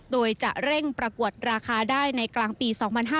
โดยจะเร่งประกวดราคาได้ในกลางปี๒๕๕๙